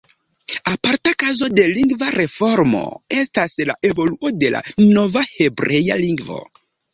Aparta kazo de lingva reformo estas la evoluo de la nova hebrea lingvo.